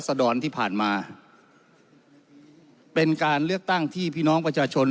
สดรที่ผ่านมาเป็นการเลือกตั้งที่พี่น้องประชาชน